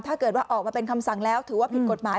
ถ้าเกิดว่าออกมาเป็นคำสั่งแล้วถือว่าผิดกฎหมาย